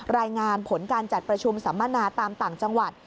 รายงานผลการจัดประชุมสัมมนาตามต่างจังหวัด